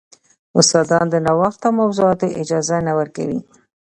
استادان د نوښت او موضوعاتو اجازه نه ورکوي.